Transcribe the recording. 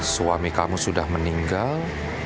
suami kamu sudah meninggal